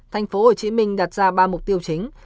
tp hcm đặt ra ba mục tiêu chính